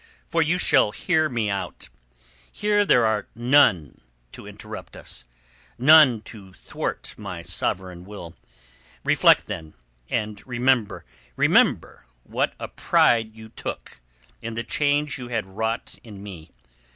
For you shall hear me out. Here there are none to interrupt us, none to thwart my sovereign will. Reflect then, and remember. Remember what a pride you took in the change you had wrought in me.